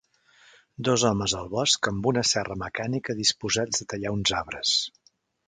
Dos homes al bosc amb una serra mecànica disposats a tallar uns arbres.